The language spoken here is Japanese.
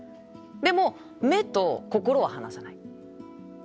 でも目と心は離さない。